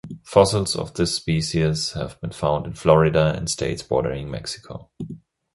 Fossils of this species have been found in Florida and states bordering Mexico.